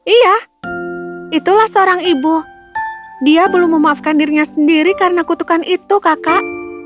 iya itulah seorang ibu dia belum memaafkan dirinya sendiri karena kutukan itu kakak